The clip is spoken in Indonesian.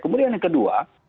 kemudian yang kedua